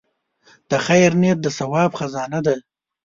د خیر نیت د ثواب خزانه ده.